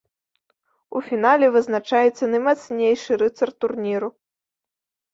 У фінале вызначаецца наймацнейшы рыцар турніру.